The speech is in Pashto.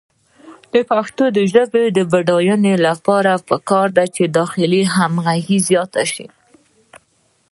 د پښتو ژبې د بډاینې لپاره پکار ده چې داخلي همغږي زیاته شي.